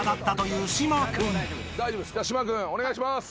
島君お願いします！